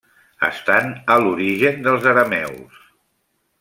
Estan a l'origen dels arameus.